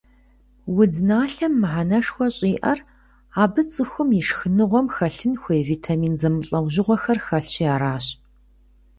Удзналъэм мыхьэнэшхуэ щӀиӀэр абы цӀыхум и шхыныгъуэм хэлъын хуей витамин зэмылӀэужьыгъуэхэр хэлъщи аращ.